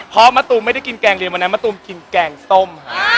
เพราะมะตูมไม่ได้กินแกงเรียนวันนั้นมะตูมกินแกงส้ม